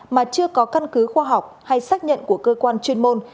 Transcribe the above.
mà chưa có căn cứ khoa học hay xác nhận của cơ quan chuyên môn